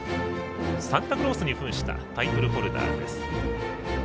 サンタクロースにふんしたタイトルホルダーです。